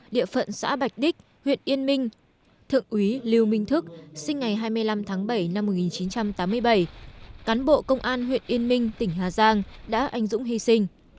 địa phận xã bạch đích huyện yên minh thượng úy lưu minh thức sinh ngày hai mươi năm tháng bảy năm một nghìn chín trăm tám mươi bảy cán bộ công an huyện yên minh tỉnh hà giang đã anh dũng hy sinh